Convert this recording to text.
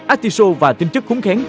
artichoke và tinh chất khúng khén